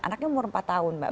anaknya umur empat tahun mbak